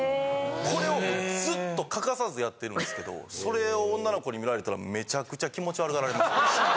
これをずっと欠かさずやってるんですけどそれを女の子に見られたらめちゃくちゃ気持ち悪がられます。